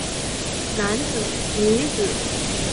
男子女子